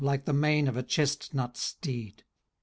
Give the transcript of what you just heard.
Like the main of a chestnut steed.